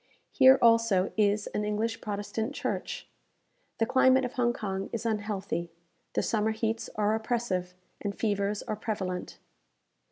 Here also is an English Protestant church. The climate of Hong Kong is unhealthy. The summer heats are oppressive, and fevers are prevalent.